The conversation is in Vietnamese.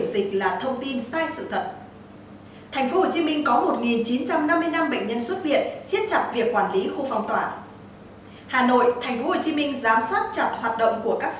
xin chào các bạn